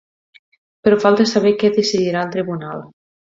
Però falta saber què decidirà el tribunal.